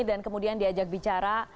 dan kemudian diajak bicara